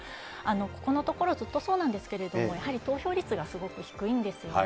ここのところ、ずっとそうなんですけれども、やはり投票率がすごく低いんですね。